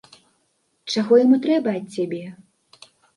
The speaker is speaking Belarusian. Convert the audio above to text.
Чаго яму трэба ад цябе?